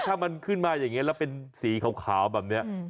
ถ้ามันขึ้นมาอย่างนี้แล้วเป็นสีขาวแบบนี้